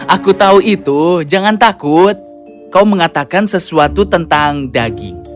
aku tahu itu jangan takut kau mengatakan sesuatu tentang daging